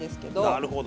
なるほど。